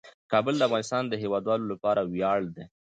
کابل د افغانستان د هیوادوالو لپاره ویاړ دی.